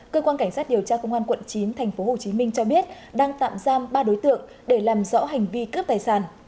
cơ quan cảnh sát điều tra công an quận chín tp hcm cho biết đang tạm giam ba đối tượng để làm rõ hành vi cướp tài sản